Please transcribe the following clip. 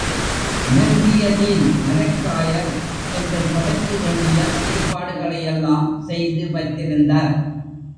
மெர்ஹியதீன் மரக்காயர் எங்கள் சபைக்கு வேண்டிய ஏற்பாடுகளையெல்லாம் செய்து வைத்திருந்தார்.